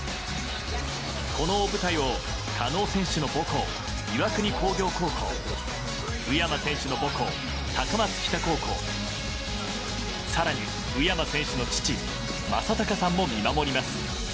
この大舞台を加納選手の母校岩国工業高校宇山選手の母校、高松北高校更に宇山選手の父政孝さんも見守ります。